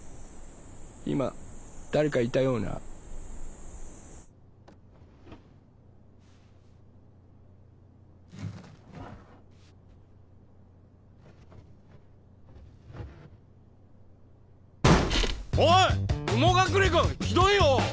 今誰かいたようなおい雲隠君ひどいよ